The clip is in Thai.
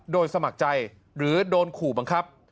โดยสมัครใจหรือโดนขู่บังคับ